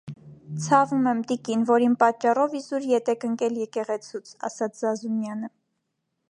- Ցավում եմ, տիկին, որ իմ պատճառով իզուր ետ եք ընկել եկեղեցուց,- ասաց Զազունյանը: